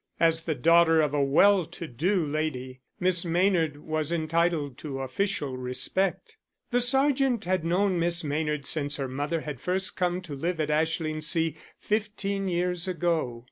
As the daughter of a well to do lady, Miss Maynard was entitled to official respect. The sergeant had known Miss Maynard since her mother had first come to live at Ashlingsea fifteen years ago.